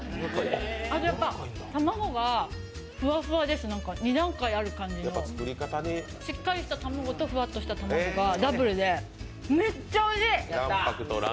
あと卵がふわふわです、２段階ある感じの、しっかりした卵とふわっとした卵がダブルでめっちゃおいしい！